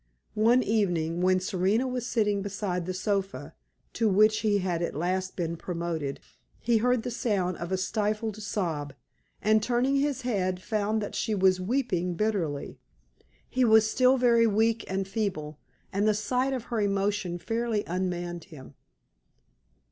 One evening, when Serena was sitting beside the sofa, to which he had at last been promoted, he heard the sound of a stifled sob, and turning his head, found that she was weeping bitterly. He was still very weak and feeble, and the sight of her emotion fairly unmanned him.